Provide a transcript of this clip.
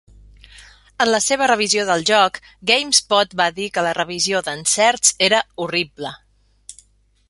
En la seva revisió del joc, GameSpot va dir que la revisió d'encerts era horrible.